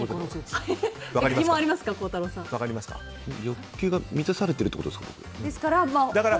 欲求が満たされてるってことですか。